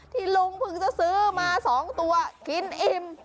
ลุงเพิ่งจะซื้อมา๒ตัวกินอิ่ม